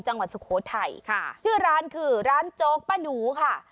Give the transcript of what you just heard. สุโขทัยค่ะชื่อร้านคือร้านโจ๊กป้าหนูค่ะ